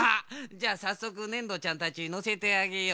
じゃあさっそくねんどちゃんたちのせてあげよう。